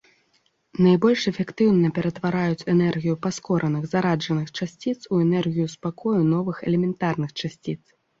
Найбольш эфектыўна пераўтвараюць энергію паскораных зараджаных часціц у энергію спакою новых элементарных часціц.